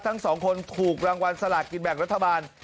ทั้งสองคนถูกรางวัลสลากกินแบ่งรัฐบาล